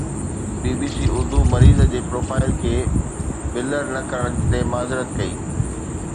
بي B C Urdu مريض جي profile کي بلر نه ڪرڻ تي معذرت ڪئي.